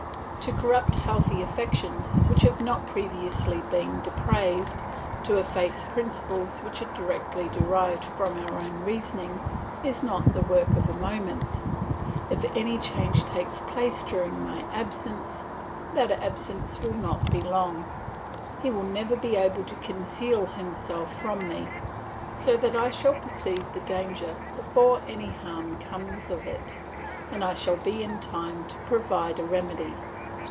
To corrupt healthy affections which have not been previously depraved, to efface principles which are directly derived from our own reasoning, is not the work of a moment. If any change takes place during my absence, that absence will not be long, he will never be able to conceal himself from me, so that I shall perceive the danger before any harm comes of it, and I shall be in time to provide a remedy.